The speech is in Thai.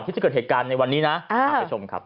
ที่จะเกิดเหตุการณ์ในวันนี้นะไปชมครับ